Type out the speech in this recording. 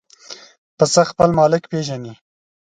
پسه خپل مالک پېژني.